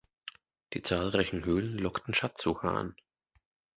Die zahlreichen Höhlen lockten Schatzsucher an.